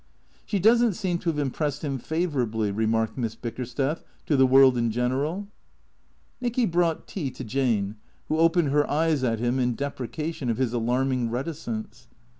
" She does n't seem to have impressed him favourably/' re marked Miss Bickersteth to the world in general. Nicky brought tea to Jane, who opened her eyes at him in deprecation of his alarming reticence.